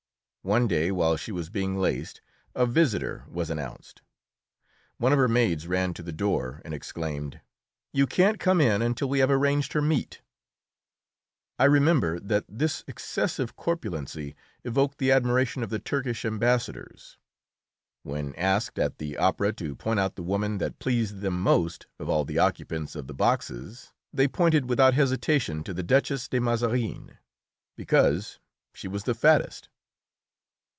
One day, while she was being laced, a visitor was announced. One of her maids ran to the door and exclaimed: "You can't come in until we have arranged her meat." I remember that this excessive corpulency evoked the admiration of the Turkish Ambassadors. When asked at the opera to point out the woman that pleased them most of all the occupants of the boxes, they pointed without hesitation to the Duchess de Mazarin because she was the fattest.